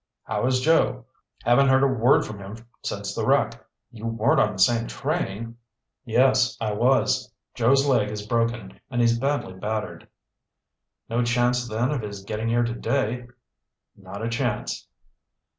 "How is Joe? Haven't heard a word from him since the wreck. You weren't on the same train?" "Yes, I was. Joe's leg is broken and he's badly battered." "No chance then of his getting here today?" "Not a chance."